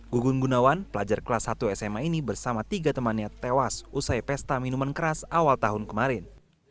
gugun gunawan pelajar kelas satu sma ini bersama tiga temannya tewas usai pesta minuman keras awal tahun kemarin